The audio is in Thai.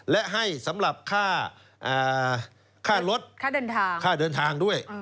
และให้สำหรับค่ารถเข้าไปเดินทางด้วย